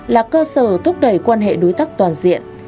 là cơ sở thúc đẩy quan hệ đối tác toàn diện